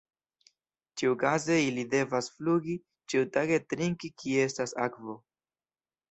Ĉiukaze ili devas flugi ĉiutage trinki kie estas akvo.